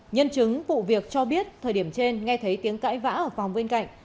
nhân chứng vụ việc cho biết thời điểm trên nghe thấy tiếng cãi vã ở phòng bên cạnh